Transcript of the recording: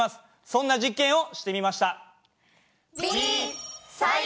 そんな実験をしてみました。